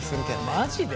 マジで？